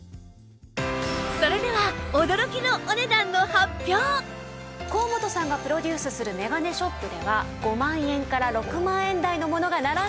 それでは高本さんがプロデュースする眼鏡ショップでは５万円から６万円台のものが並んでいたんですが。